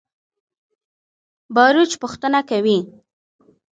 باروچ پوښتنه کوي.